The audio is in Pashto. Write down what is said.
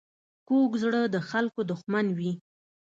کوږ زړه د خلکو دښمن وي